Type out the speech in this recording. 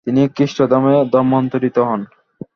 তিনি খ্রিস্টধর্মে ধর্মান্তরিত হন।